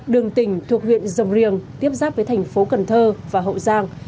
đường tỉnh thuộc huyện dồng riêng tiếp giáp với thành phố cần thơ và hậu giang